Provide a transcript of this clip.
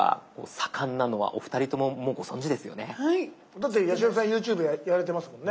だって八代さんＹｏｕＴｕｂｅやられてますもんね。